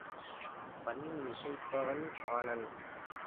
பண் இசைப்பவன் பாணன்.